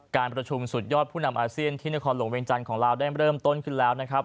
การประชุมสุดยอดผู้นำอาเซียนที่นครหลวงเวียงจันทร์ของลาวได้เริ่มต้นขึ้นแล้วนะครับ